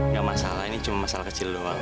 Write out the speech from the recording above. nggak masalah ini cuma masalah kecil doang